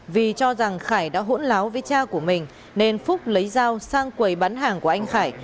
vì cho rằng khải đã hỗn láo với cha của mình nên phúc lấy dao sang quầy bán hàng của anh khải